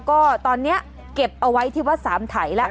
ก็ตอนนี้เก็บเอาไว้ที่วัดสามไถแล้ว